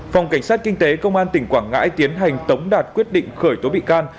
phòng cảnh sát kinh tế công an tỉnh quảng ngãi tiến hành tống đạt quyết định khởi tố bị can